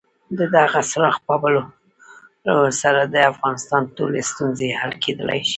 د دغه څراغ په بلولو سره د افغانستان ټولې ستونزې حل کېدلای شي.